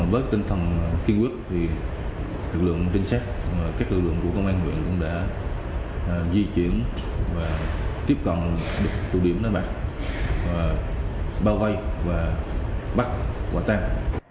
với tinh thần kiên quyết lực lượng trinh sát các lực lượng của công an huyện cũng đã di chuyển và tiếp cận được tụ điểm đánh bạc bao vây và bắt quả tang